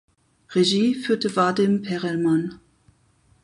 Regie führte Vadim Perelman.